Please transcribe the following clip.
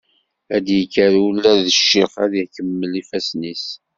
Ad yekker ula d ccix ad ixemmel ifassen-is.